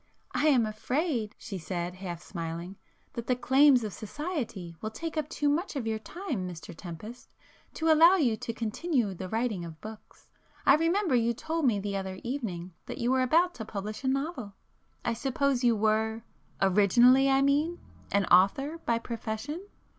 "I am afraid,"—she said half smiling, "that the claims of society will take up too much of your time, Mr Tempest, to allow you to continue the writing of books. I remember you told me the other evening that you were about to publish a novel. I suppose you were—originally I mean—an author by profession?"